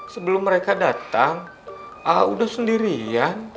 sebelum mereka datang ah udah sendirian